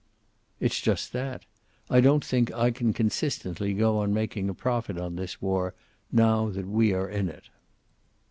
"It's just that. I don't think I can consistently go on making a profit on this war, now that we are in it."